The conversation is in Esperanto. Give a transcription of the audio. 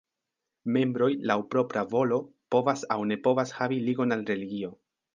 Membroj laŭ propra volo povas aŭ ne povas havi ligon al religio.